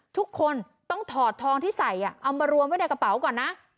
ทุกคนต้องถอดทองที่ใส่เอามารวมไว้ในกระเป๋าก่อนนะ